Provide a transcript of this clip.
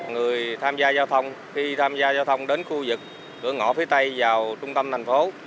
người tham gia giao thông khi tham gia giao thông đến khu vực cửa ngõ phía tây vào trung tâm thành phố